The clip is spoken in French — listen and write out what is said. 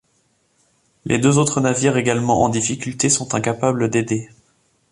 Les deux autres navires également en difficultés, sont incapable d'aider.